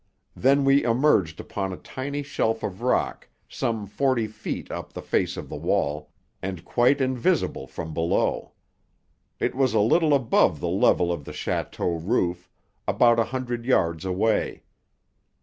Then we emerged upon a tiny shelf of rock some forty feet up the face of the wall, and quite invisible from below. It was a little above the level of the château roof, about a hundred yards away.